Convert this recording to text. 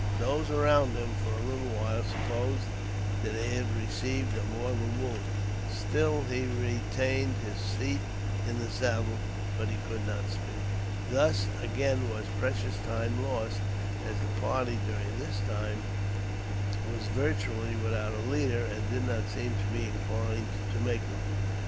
Those around him, for a little while, supposed that he had received a mortal wound. Still, he retained his seat in the saddle, but could not speak. Thus again was precious time lost, as the party, during this time, were virtually without a leader, and did not seem to be inclined to make one.